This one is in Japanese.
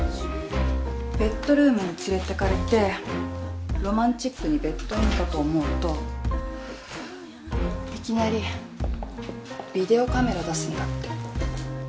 ベッドルームに連れてかれてロマンチックにベッドインかと思うといきなりビデオカメラ出すんだって。